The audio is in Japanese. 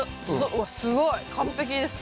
うわすごい完璧です。